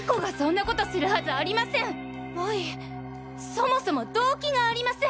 そもそも動機がありません！